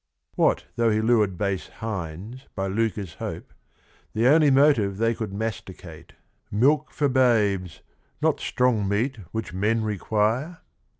"What though he lured base hinds by lucre's hope, — The only motive they could masticate, Milk for babes, not strong meat which men require?